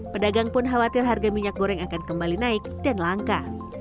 pedagang pun khawatir harga minyak goreng akan kembali naik dan langka